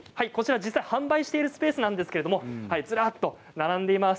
販売しているスペースなんですけれどもずらっと並んでいます。